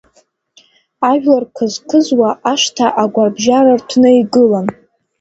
Ажәлар қызықызуа ашҭа, агәарбжьара рҭәны игылан.